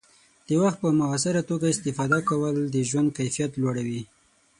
د وخت په مؤثره توګه استفاده کول د ژوند کیفیت لوړوي.